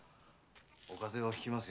お風邪をひきますよ。